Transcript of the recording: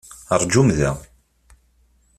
Rjum da!